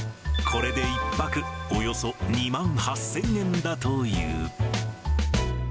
これで１泊およそ２万８０００円だという。